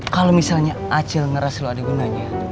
kalo misalnya acil ngeras lo ada gunanya